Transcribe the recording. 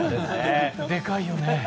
でかいよね。